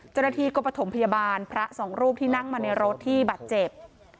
เจ้าหน้าที่ก็ประถมพยาบาลพระสองรูปที่นั่งมาในรถที่บาดเจ็บ